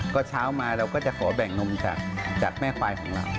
ก็เช้ามาเราก็จะขอแบ่งนมจากแม่ควายของเรา